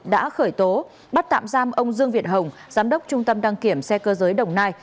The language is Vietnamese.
đã khởi tố bắt tạm giam ông dương việt hồng giám đốc trung tâm đăng kiểm xe cơ giới đồng nai